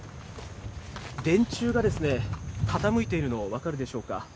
電柱が傾いているの、分かるでしょうか。